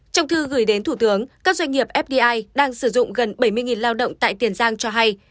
trong thư gửi đến thủ tướng các doanh nghiệp fdi đang sử dụng gần bảy mươi lao động tại tiền giang cho hay